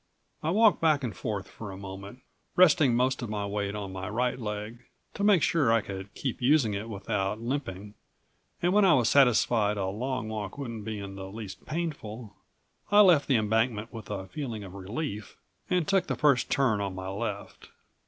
I walked back and forth for a moment, resting most of my weight on my right leg, to make sure I could keep using it without limping and when I was satisfied a long walk wouldn't be in the least painful I left the embankment with a feeling of relief and took the first turn on my left.